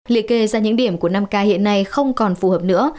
liệt kê ra những điểm của năm ca hiện nay không còn phù hợp nữa